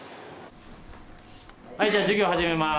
はいじゃあ授業始めます。